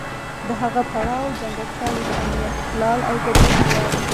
د هغه پړاو ځانګړتیاوې د امنیت اخلال او ګډوډي وه.